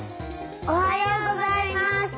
おはようございます。